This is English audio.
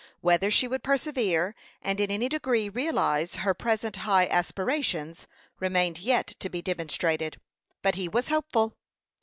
Whether she would persevere, and in any degree realize her present high aspirations, remained yet to be demonstrated; but he was hopeful.